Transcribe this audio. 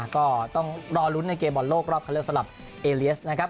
ก็ต้องรอลุ้นในเกมบอลโลกรอบคันเลือกสำหรับเอเลียสนะครับ